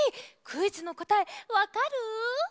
クイズのこたえわかる？